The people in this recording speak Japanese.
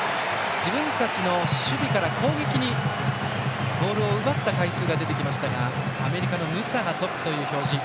自分たちの守備から攻撃にいくボールを奪った回数が出てきましたがアメリカのムサがトップという表示。